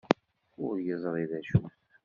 Ur yeẓri d acu-t?